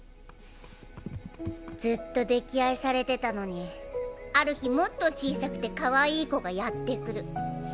ずっと溺愛されてたのにある日もっと小さくてかわいい子がやって来る。